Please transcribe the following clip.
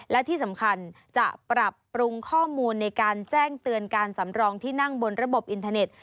และที่สำคัญจะปรับปรุงข้อมูลในการแจ้งเตือนการสำรองที่นั่งบนระบบอินเทอร์เน็ต